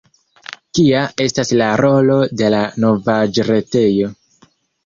Kia estas la rolo de la novaĵretejo?